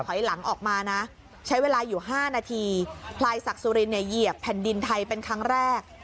ถอยหลังออกมานะใช้เวลาอยู่๕นาทีพลายศักดิ์สุรินเนี่ยเหยียบแผ่นดินไทยเป็นครั้งแรก